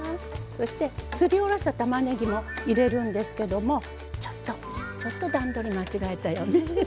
そしてすりおろしたたまねぎも入れるんですけどもちょっとちょっと段取り間違えたよね。